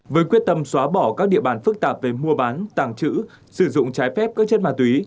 với quyết tâm xóa bỏ các địa bàn phức tạp về mua bán tàng trữ sử dụng trái phép các chất ma túy